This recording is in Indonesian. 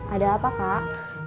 ada apa kak